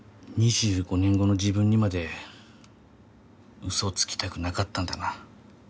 ２５年後の自分にまで嘘つきたくなかったんだな。